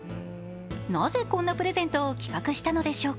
なぜこんなプレゼントを企画したのでしょうか。